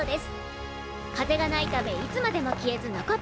風がないためいつまでも消えず残っています。